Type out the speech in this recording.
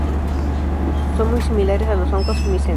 Son muy similares a los hongos Mycena.